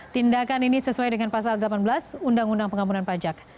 tindakan ini sesuai dengan pasal delapan belas undang undang pengampunan pajak